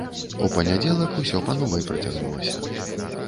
У панядзелак усё па новай працягнулася.